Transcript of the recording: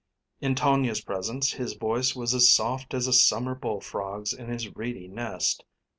In Tonia's presence his voice was as soft as a summer bullfrog's in his reedy nest.